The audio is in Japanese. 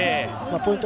ポイント